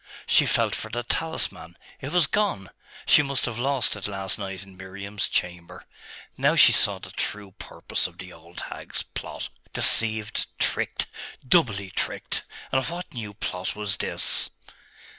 She felt for the talisman it was gone! She must have lost it last night in Miriam's chamber. Now she saw the true purpose of the old hag's plot ....deceived, tricked, doubly tricked! And what new plot was this?